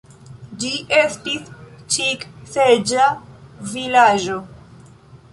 Ĝi estis ĉik-seĝa vilaĝo.